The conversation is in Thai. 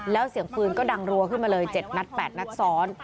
แล้วเสียงปืนก็ดังรัวขึ้นมาเลย๗นัด๘นัดซ้อน